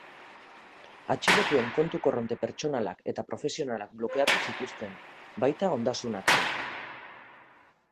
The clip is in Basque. Atxilotuen kontu korronte pertsonalak eta profesionalak blokeatu zituzten, baita ondasunak ere.